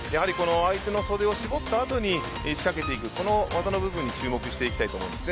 相手の袖を絞った後に仕掛けていく技の部分に注目していきたいと思うんです。